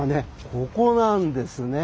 ここなんですね。